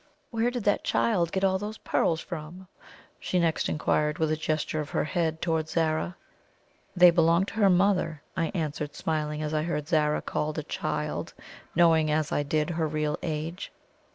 "Where did that child get all those pearls from?" she next inquired, with a gesture of her head towards Zara. "They belonged to her mother," I answered, smiling as I heard Zara called a CHILD, knowing, as I did, her real age.